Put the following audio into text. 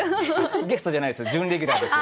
ゲストじゃないです準レギュラーです。